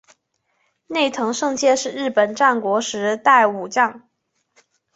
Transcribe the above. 内藤胜介是日本战国时代武将。